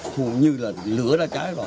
khô như là lửa đã trái rồi